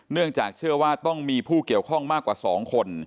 เนื่องจากเชื่อว่าต้องมีผู้เกี่ยวข้องมากกว่า๒คน